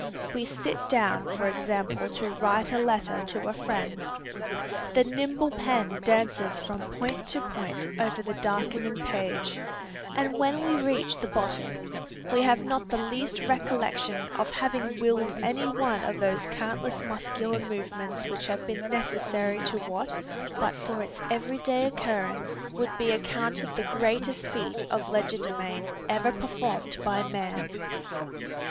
We sit down for example to write a letter to a friend. The nimble pen dances from point to point over the darkening page, and when we reach the bottom, we have not the least recollection of having willed any one of those countless muscular movements which have been necessary to what, but for its every day occurrence, would be accounted the greatest feat of legerdemain ever performed by man!